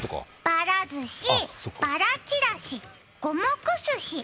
ばらずし、ばらちらし、五目すし。